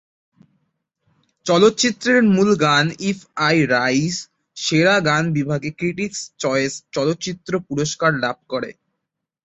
চলচ্চিত্রের মূল গান "ইফ আই রাইজ" সেরা গান বিভাগে ক্রিটিকস চয়েস চলচ্চিত্র পুরস্কার লাভ করে।